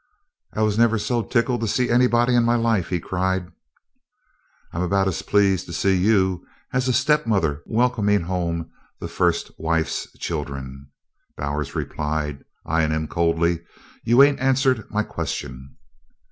"I never was so tickled to see anybody in my life!" he cried. "I'm about as pleased to see you as a stepmother welcomin' home the first wife's children," Bowers replied, eyeing him coldly. "You ain't answered my question."